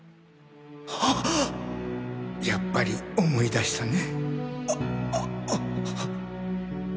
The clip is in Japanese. やっぱり思い出したね。